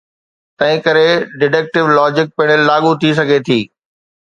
تنهن ڪري deductive logic پڻ لاڳو ٿي سگهي ٿي.